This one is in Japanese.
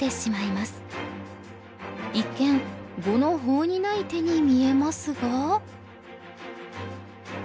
一見碁の法にない手に見えますが？